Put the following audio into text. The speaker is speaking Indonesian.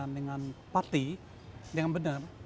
dengan pati dengan benar